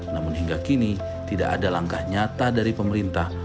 namun hingga kini tidak ada langkah nyata dari pemerintah